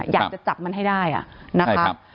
อยากจะจับมันให้ได้นะคะ